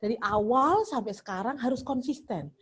dari awal sampai sekarang harus konsisten